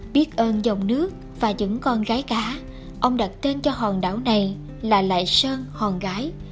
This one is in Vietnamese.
biết ơn dòng nước và những con gái cá ông đặt tên cho hòn đảo này là lại sơn hòn gái